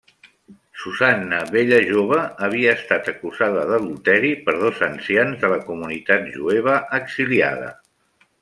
Susanna, bella jove, havia estat acusada d'adulteri per dos ancians de la comunitat jueva exiliada.